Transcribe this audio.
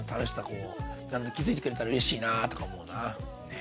こう気付いてくれたらうれしいなとか思うな。ね